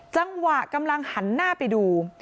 จังหวะกำลังหันหน้าไปดู